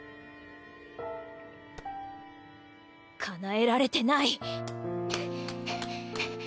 かなえられてない！